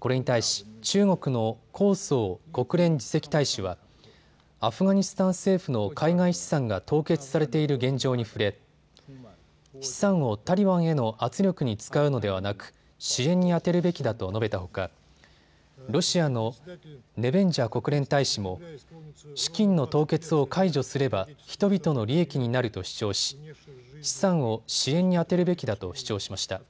これに対し中国の耿爽国連次席大使はアフガニスタン政府の海外資産が凍結されている現状に触れ、資産をタリバンへの圧力に使うのではなく支援に充てるべきだと述べたほかロシアのネベンジャ国連大使も資金の凍結を解除すれば人々の利益になると主張し、資産を支援に充てるべきだと主張しました。